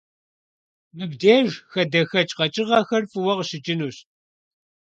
Мыбдеж хадэхэкӀ къэкӀыгъэхэр фӀыуэ къыщыкӀынущ.